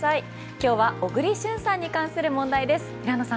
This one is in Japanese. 今日は小栗旬さんに関する問題です。